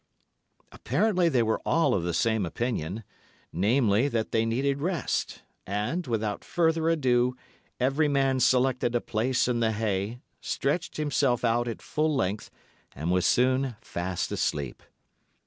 Apparently they were all of the same opinion—namely, that they needed rest; and, without further ado, every man selected a place in the hay, stretched himself out at full length, and was soon fast asleep.